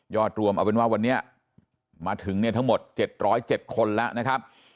รวมเอาเป็นว่าวันนี้มาถึงเนี่ยทั้งหมด๗๐๗คนแล้วนะครับ